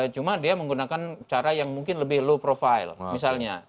cuma dia menggunakan cara yang mungkin lebih low profile misalnya